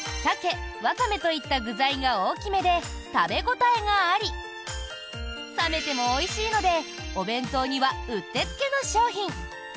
サケ、ワカメといった具材が大きめで食べ応えがあり冷めてもおいしいのでお弁当には、うってつけの商品。